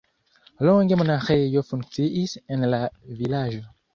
Longe monaĥejo funkciis en la vilaĝo.